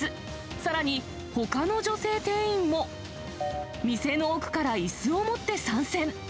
さらに、ほかの女性店員も、店の奥からいすを持って参戦。